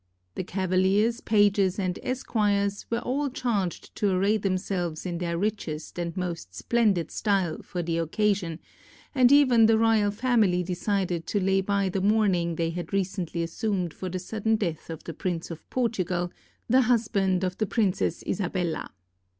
The cavaliers, pages, and esquires were all charged to array themselves in their richest and most splendid style, for the occasion; and even the royal fam ily decided to lay by the mourning they had recently assumed for the sudden death of the Prince of Portugal, the husband of the Princess Isabella.